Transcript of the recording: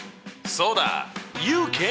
そうだ！